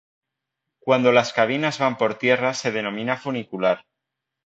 Cuando las cabinas van por tierra se denomina funicular.